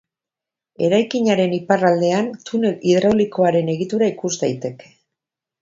Eraikinaren iparraldean, tunel hidraulikoaren egitura ikus daiteke.